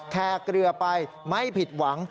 แคร์เกลือไปไม่ผิดหวัง